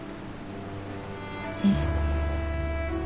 うん。